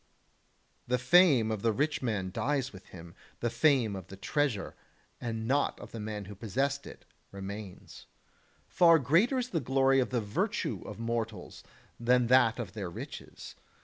The fame of the rich man dies with him; the fame of the treasure, and not of the man who possessed it, remains. Far greater is the glory of the virtue of mortals than that of their riches.